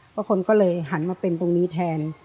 เพราะคนก็เลยหันมาเป็นตรงนี้แทน